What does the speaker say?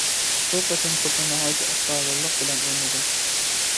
بۇ قېتىم توپنى ناھايىتى ئەستايىدىللىق بىلەن ئوينىدىم.